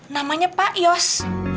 namanya pak yos